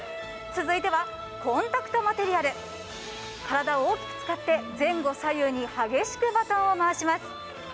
続いてはコンタクトマテリアル、体を大きく使って前後左右に激しくバトンを回します。